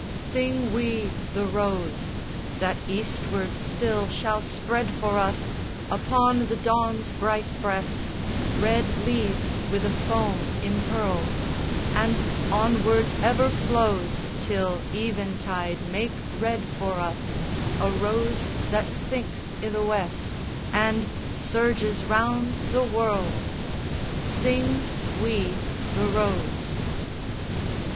Sing we the Rose, That Eastward still shall spread for us Upon the dawn's bright breast, Red leaves wi' the foam impearled; And onward ever flows Till eventide make red for us A Rose that sinks i' the West And surges round the world; Sing we the Rose!